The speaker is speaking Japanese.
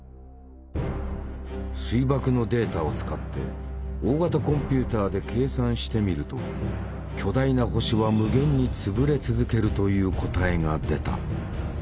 水爆のデータを使って大型コンピュータで計算してみると「巨大な星は無限につぶれ続ける」という答えが出た。